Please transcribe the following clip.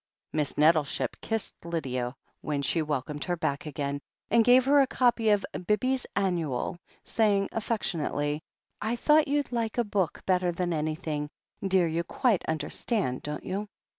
Miss Nettleship kissed Lydia when she welcomed her back again, and gave her a copy of Bibby's Annual, saying affectionately: "I thought you'd like a book better than anything, dear — ^you quite understand, don't you